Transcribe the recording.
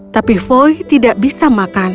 tapi voi tidak bisa makan